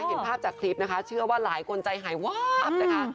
เห็นภาพจากคลิปนะคะเชื่อว่าหลายคนใจหายวาบนะคะ